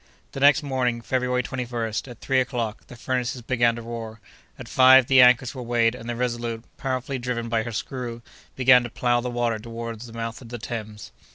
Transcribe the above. The next morning, February 21st, at three o'clock, the furnaces began to roar; at five, the anchors were weighed, and the Resolute, powerfully driven by her screw, began to plough the water toward the mouth of the Thames.